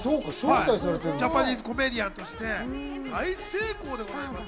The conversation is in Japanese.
ジャパニーズコメディアンとして大成功です。